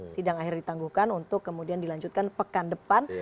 sidang akhir ditangguhkan untuk kemudian dilanjutkan pekan depan